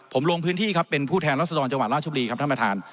ผมโรงพื้นที่เป็นผู้แทนรัศดรรย์จังหวัดล่าชุบรีท่านประธาน